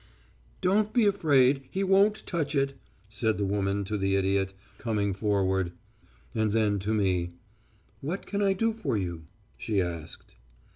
_ "'Don't be afraid, he won't touch it,' said the woman to the idiot, coming forward. And then to me 'What can I do for you?' she added.